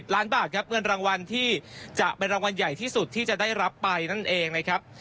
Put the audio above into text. ล้านบาทครับเงินรางวัลที่จะเป็นรางวัลใหญ่ที่สุดที่จะได้รับไปนั่นเองนะครับ